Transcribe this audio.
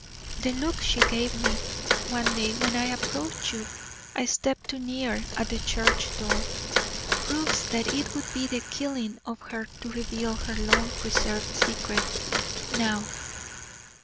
The look she gave me one day when I approached you a step too near at the church door, proves that it would be the killing of her to reveal her long preserved secret now.